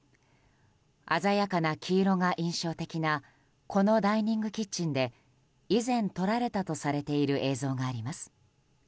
鮮やかな黄色が印象的なこのダイニングキッチンで以前、撮られたとされている映像があります。